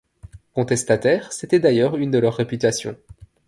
Contestataires, c’était d’ailleurs une de leurs réputations.